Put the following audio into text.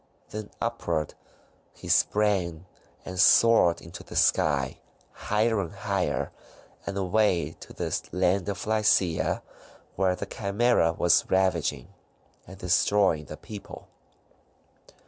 Then upward he sprang, and soared into the sky, higher and higher, and away to the land of Lycia, where the Chimaera was ravaging, and destroying the people.